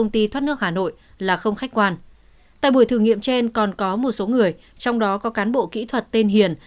tại buổi thử nghiệm trên còn có một số người trong đó có cán bộ kỹ thuật tên hiền